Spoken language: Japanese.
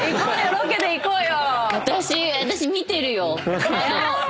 ロケで行こうよ！